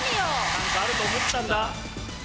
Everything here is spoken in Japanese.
何かあると思ったんだ。